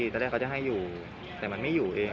ตอนแรกเขาจะให้อยู่แต่มันไม่อยู่เอง